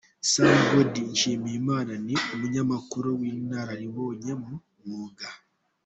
Sam Gody Nshimiyimana, ni Umunyamakuru w’inararibonye mu mwuga.